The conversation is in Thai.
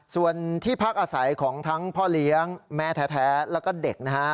ส่วนที่พักอาศัยของทั้งพ่อเลี้ยงแม่แท้แล้วก็เด็กนะฮะ